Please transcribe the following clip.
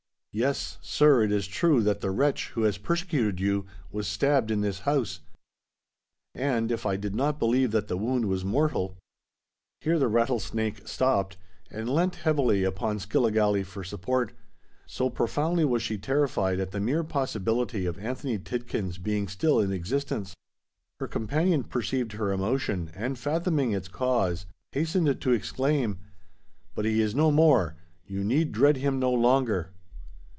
Yes—sir, it is true that the wretch who has persecuted you was stabbed in this house; and—if I did not believe that the wound was mortal——" Here the Rattlesnake stopped, and leant heavily upon Skilligalee for support—so profoundly was she terrified at the mere possibility of Anthony Tidkins being still in existence. Her companion perceived her emotion, and fathoming its cause, hastened to exclaim, "But he is no more! You need dread him no longer."